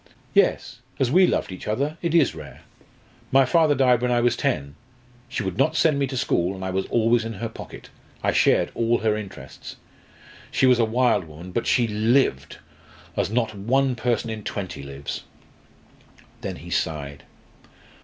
"Yes as we loved each other it is rare. My father died when I was ten. She would not send me to school, and I was always in her pocket I shared all her interests. She was a wild woman but she lived, as not one person in twenty lives." Then he sighed.